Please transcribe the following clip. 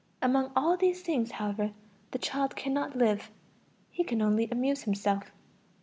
Among all these things, however, the child cannot live; he can only amuse himself.